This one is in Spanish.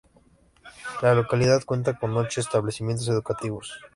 La localidad cuenta con ocho establecimientos educativos.